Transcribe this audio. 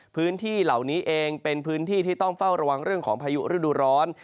พื้นที่เหล่านี้เองเป็นพื้นที่ที่ต้องเฝ้าระวังเรื่องของพายุฤดูร้อน